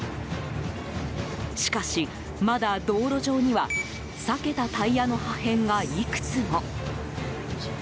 しかし、まだ道路上には裂けたタイヤの破片がいくつも。